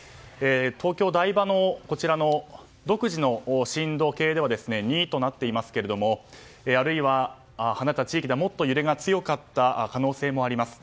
東京・台場の独自の震度計では２となっていますがあるいは離れた地域ではもっと揺れが強かった可能性もあります。